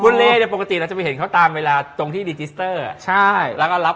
คุณเลเนี้ยปกติเราจะไปเห็นเขาตามเวลาตรงที่ใช่แล้วก็รับ